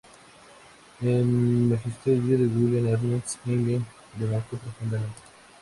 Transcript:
El magisterio de William Ernest Henley le marcó profundamente.